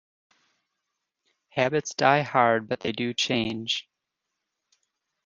Habits die hard, but they do change.